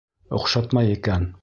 Оҡшатмай икән...